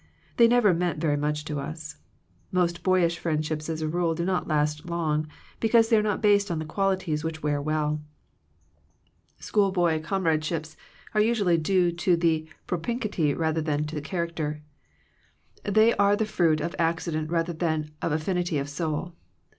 They never meant very much to us. Most boyish friendships as a rule do not last long, be cause they are not based on the qualities which wear well. Schoolboy comrade 140 Digitized by VjOOQIC THE WRECK OF FRIENDSHIP ships are usually due to propinquity rather than to character. They are the fruit of accident rather than of affinity of soul.